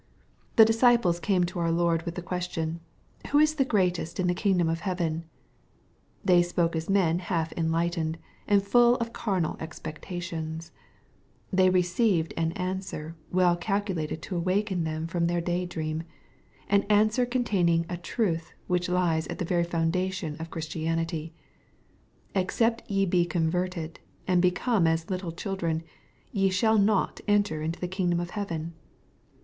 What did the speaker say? The disciples came to our Lord with the question, " Who is the greatest in the kingdom of heaven ?" They spoke as men half enlightened, and full of carnal expectations. They received an answer well calculated to awaken them from their day dream— an answer containing a truth which lies at the very foundation of Christianity — "except ye be converted, and become as little children, ye shall not enter into the kingdom of heaven.''